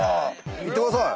行ってください。